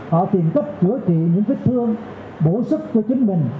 họ tiền cấp chữa trị những vết thương bổ sức cho chính mình